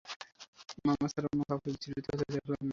মামা ছাড়া অন্য কাউকে বিচলিত হতে দেখলাম না।